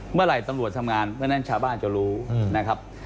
เมื่อไหร่ตำรวจทำงานเพราะฉะนั้นชาวบ้านจะรู้นะครับ